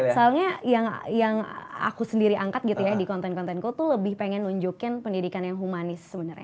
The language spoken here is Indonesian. soalnya yang aku sendiri angkat gitu ya di konten kontenku tuh lebih pengen nunjukin pendidikan yang humanis sebenarnya